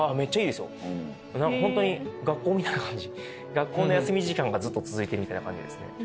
学校の休み時間がずっと続いてるみたいな感じですね。